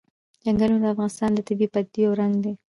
چنګلونه د افغانستان د طبیعي پدیدو یو رنګ دی.